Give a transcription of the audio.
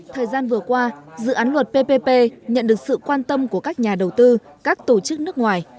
thời gian vừa qua dự án luật ppp nhận được sự quan tâm của các nhà đầu tư các tổ chức nước ngoài